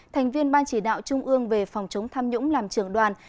thành viên ban chỉ đạo trung ương về phòng chống tham nhũng làm trưởng đoàn